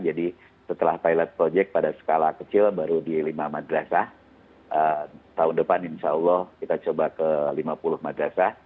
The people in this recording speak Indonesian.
jadi setelah pilot project pada skala kecil baru di lima madrasa tahun depan insya allah kita coba ke lima puluh madrasa